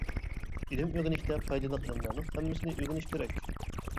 ئىلىم ئۆگىنىشتە پايدىلىق ئىلىملەرنىڭ ھەممىسىنى ئۆگىنىش كېرەك.